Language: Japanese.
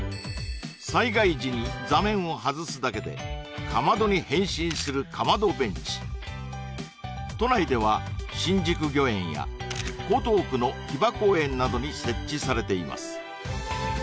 災害時に座面を外すだけでかまどに変身する都内では新宿御苑や江東区の木場公園などに設置されています